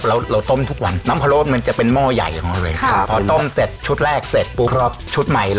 เวลาหม้อรั่วเราเปลี่ยนเฉพาะหม้อ